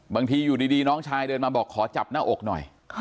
อยู่ดีน้องชายเดินมาบอกขอจับหน้าอกหน่อย